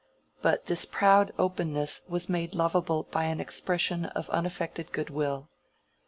But this proud openness was made lovable by an expression of unaffected good will.